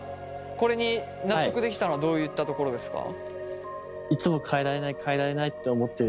これに納得できたのはどういったところですか？